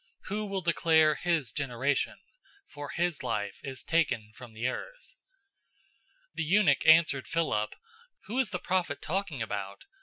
Who will declare His generation? For his life is taken from the earth."{Isaiah 53:7,8} 008:034 The eunuch answered Philip, "Who is the prophet talking about?